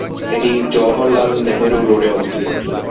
এটি জওহরলাল নেহেরু রোডে অবস্থিত।